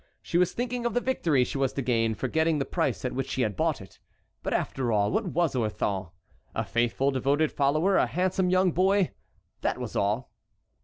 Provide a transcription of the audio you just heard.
She was thinking of the victory she was to gain, forgetting the price at which she had bought it. But after all what was Orthon? A faithful, devoted follower, a handsome young boy; that was all.